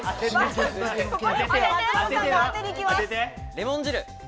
レモン汁。